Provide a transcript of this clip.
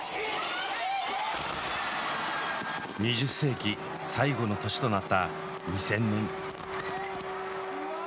２０世紀最後の年となった２０００年。